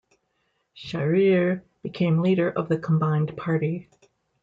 Sjahrir became leader of the combined party.